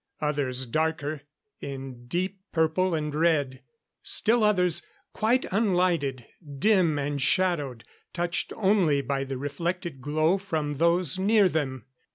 Others darker, in deep purple and red; still others, quite unlighted, dim and shadowed, touched only by the reflected glow from those near them.